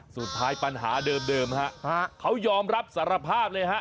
สุดท้ายปัญหาเดิมฮะเขายอมรับสารภาพเลยฮะ